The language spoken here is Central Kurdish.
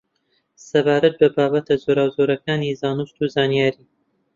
سەبارەت بە بابەتە جۆراوجۆرەکانی زانست و زانیاری